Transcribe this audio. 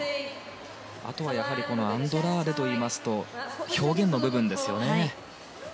あとはアンドラーデといいますと表現の部分ですよね。